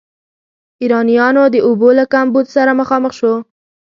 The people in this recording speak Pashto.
ایرانیانو د اوبو له کمبود سره مخامخ شو.